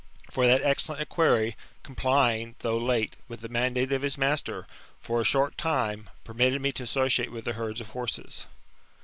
For that excellent equerry, complying, though late, with the mandate of his master, for a short time^ permitted me to associate with the herds of horses.